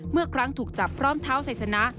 เมื่อครั้งถูกจับพร้อมเท้าไซสนะ